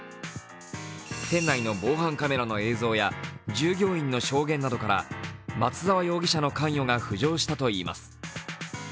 店内の防犯カメラの映像や従業員の証言などから松沢容疑者の関与が浮上したということです。